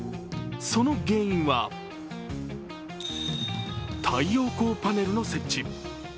その原因は、太陽光パネルの設置。